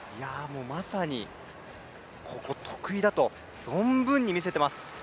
ここ得意だと、存分に見せてます。